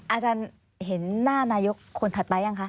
อาจารย์เห็นหน้านายกคนถัดไปยังคะ